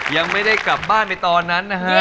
ยังไม่ได้กลับบ้านไปตอนนั้นนะฮะ